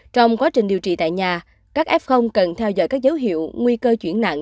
trong quá trình điều trị tại nhà các f cần theo dõi các dấu hiệu nguy cơ chuyển nặng